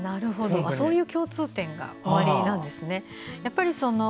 そういう共通点がおありなんですね。